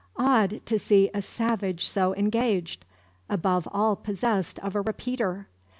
Odd to see a savage so engaged; above all possessed of a repeater!